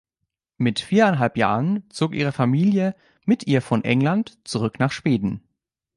Mit viereinhalb Jahren zog ihre Familie mit ihr von England zurück nach Schweden.